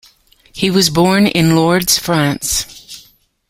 He was born in Lourdes, France.